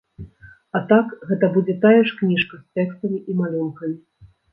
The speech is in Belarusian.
А так, гэта будзе тая ж кніжка з тэкстамі і малюнкамі.